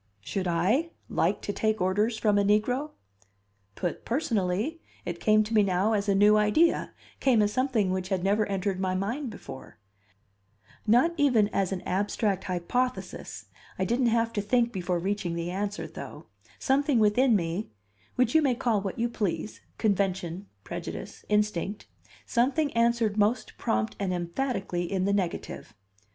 Should I "like to take orders from a negro?" Put personally, it came to me now as a new idea came as something which had never entered my mind before, not even as an abstract hypothesis I didn't have to think before reaching the answer though; something within me, which you ma call what you please convention, prejudice, instinct something answered most prompt and emphatically in the negative.